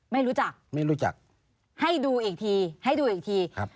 ไม่รู้จักไม่รู้จักให้ดูอีกทีให้ดูอีกทีครับ